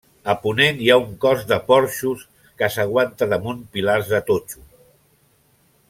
A ponent hi ha un cos de porxos, que s'aguanta damunt pilars de totxo.